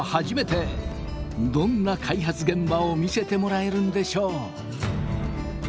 どんな開発現場を見せてもらえるんでしょう？